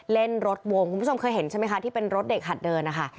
เล่นรถวงคุณผู้ชมเคยเห็นใช่ไหมคะที่เป็นรถเด็กหัดเดินนะคะ